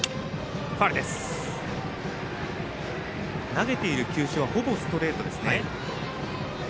投げている球種はほぼストレートですね。